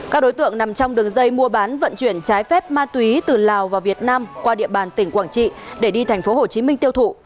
các đối tượng nằm trong đường dây mua bán vận chuyển trái phép ma túy từ lào vào việt nam qua địa bàn tỉnh quảng trị để đi tp hcm tiêu thụ